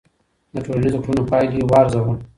د ټولنیزو کړنو پایلې وارزوه.